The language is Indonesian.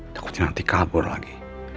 takutin nanti kabur lagi